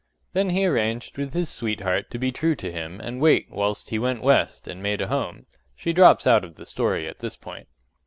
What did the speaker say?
Then he arranged with his sweetheart to be true to him and wait whilst he went west and made a home. She drops out of the story at this point.